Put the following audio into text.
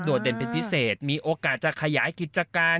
เด่นเป็นพิเศษมีโอกาสจะขยายกิจการ